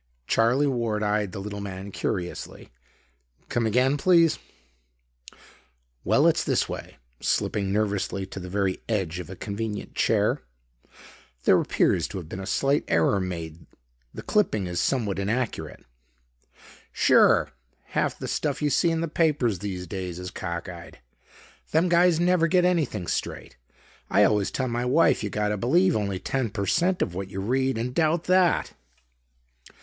Charlie Ward eyed the little man curiously. "Come again, please?" "Well, it's this way," slipping nervously to the very edge of a convenient chair. "There appears to have been a slight error made. The clipping is somewhat inaccurate." "Sure. Half the stuff you see in the papers these days is cockeyed. Them guys never get anything straight. I always tell my wife you gotta believe only ten per cent of what you read and doubt that."